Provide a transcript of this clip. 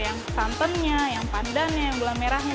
yang santannya yang pandannya yang gula merahnya